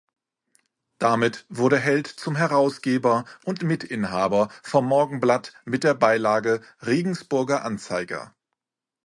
Damit wurde Held zum Herausgeber und Mitinhaber vom Morgenblatt mit der Beilage „Regensburger Anzeiger“.